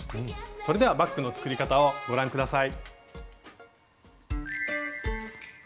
それではバッグの作り方をご覧下さい。